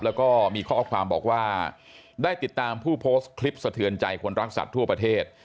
แล้วก็มีข้อความบอกว่าได้ติดตามผู้โพสต์คลิปสะเทือนใจคนรักสัตว์ทั่วประเทศ